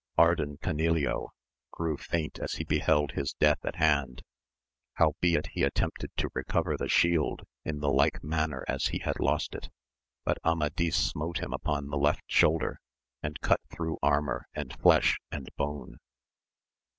Ardan Cani leo grew faint as he beheld his death at hand, howbeit he attempted to recover the shield in the like manner as he had lost it, but Amadis smote him upon the left shoulder, and cut through armour, and flesh and bone.